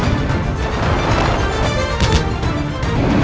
akan kau menang